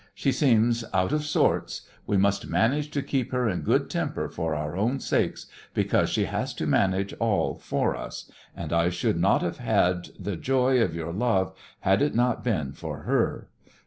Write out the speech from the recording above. She seems out of sorts. We must manage to keep her in good temper for our own sakes, because she has to manage all for us, and I should not have had the joy of your love had it not been for her.